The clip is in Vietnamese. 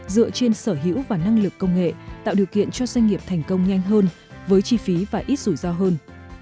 dựa trên sở hữu và năng lực công nghệ tạo điều kiện cho doanh nghiệp thành công nhanh hơn với chi phí và ít rủi ro hơn